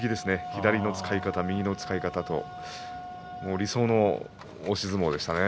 右の使い方、左の使い方理想の押し相撲でしたね。